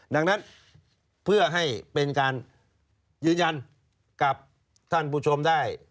ดังนั้นเพื่อให้เป็นการยืนยันกับท่านผู้ชมได้